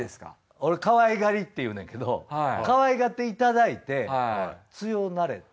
俺かわいがりって言うねんけどかわいがっていただいて強くなれた。